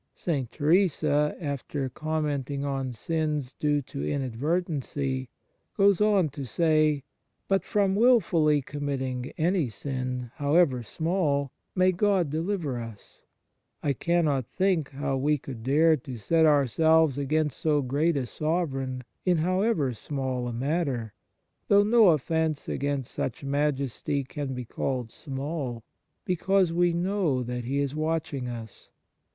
St. Teresa, after com menting on sins due to inadvertency, goes on to say: " But from wilfully committing any sin, however small, may God deliver us ! I cannot think how we could dare to set ourselves against so great a Sovereign, in however small a matter, though no offence against such majesty can be called small, because we know that He is watching us.